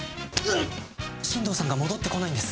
新藤さんが戻ってこないんです！